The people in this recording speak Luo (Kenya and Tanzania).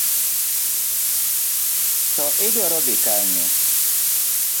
To idwaro dhi kanye?